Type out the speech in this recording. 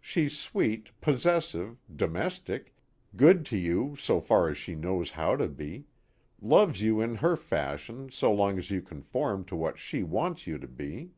She's sweet, possessive, domestic, good to you so far as she knows how to be, loves you in her fashion so long as you conform to what she wants you to be.